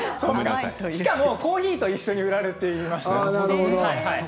しかもコーヒーと一緒に売られています。